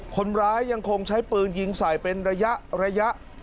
คนร้ายยังคงใช้ปืนยิงใส่เป็นระยะ